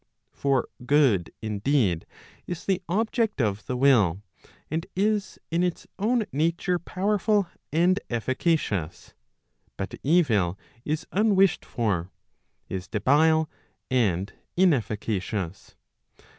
For good indeed, is the object of the will, and is in its own nature powerful aud efficacious ; but evil is unwished for, is debile and inefficacious.